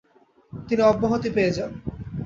তিনি অব্যাহতি পেয়ে যান।